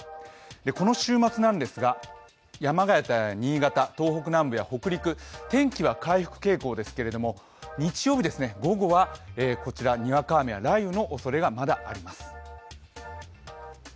この週末ですが、山形や新潟、東北南部や北陸、天気は回復傾向ですけれども日曜日午後は、こちらにわか雨や雷雨のおそれがまだあります。